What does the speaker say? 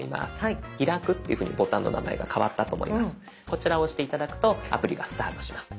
こちらを押して頂くとアプリがスタートします。